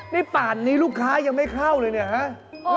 นี่ป่านนี้ลูกค้ายังไม่เข้าเลยเนี่ยฮะ